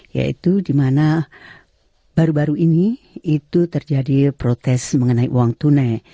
yaitu dimana baru baru ini itu terjadi protes mengenai uang tunai